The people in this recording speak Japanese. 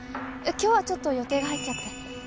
今日はちょっと予定が入っちゃって。